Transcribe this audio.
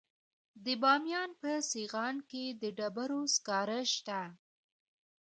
د بامیان په سیغان کې د ډبرو سکاره شته.